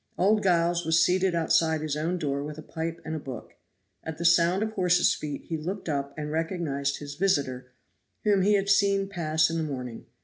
Old Giles was seated outside his own door with a pipe and a book. At the sound of horses' feet he looked up and recognized his visitor, whom he had seen pass in the morning.